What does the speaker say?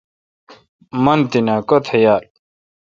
من تینہ کتہ یال۔